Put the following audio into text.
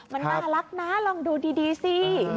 มันน่ารักนะลองดูดีสิ